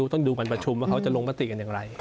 ต้องดูปัจจุมและโลงพัศทีกันอย่างไร